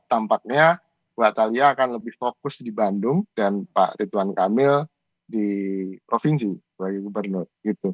tampaknya mbak atalia akan lebih fokus di bandung dan pak ridwan kamil di provinsi sebagai gubernur